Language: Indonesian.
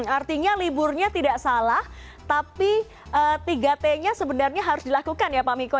artinya liburnya tidak salah tapi tiga t nya sebenarnya harus dilakukan ya pak miko